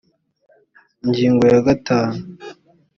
ingingo ya gatanu